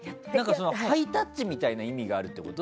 ハイタッチみたいな意味があるってこと？